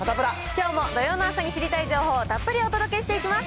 きょうも土曜の朝に知りたい情報をたっぷりお届けしていきます。